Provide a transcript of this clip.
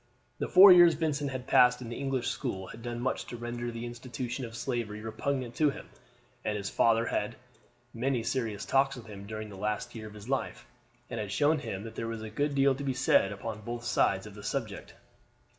The four years Vincent had passed in the English school had done much to render the institution of slavery repugnant to him, and his father had had many serious talks with him during the last year of his life, and had shown him that there was a good deal to be said upon both sides of the subject.